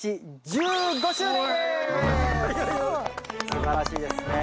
すばらしいですね。